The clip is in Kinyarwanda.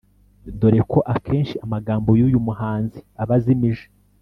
dore ko akenshi amagambo y’uyu muhanzi aba azimije